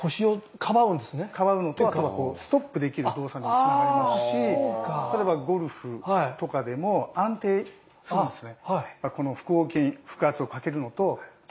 かばうのとあとはストップできる動作につながりますし例えばゴルフとかでも安定するんですね。